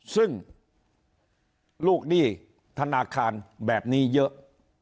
ซึ่งลูกหนี้ธนาคารแบบนี้เยอะ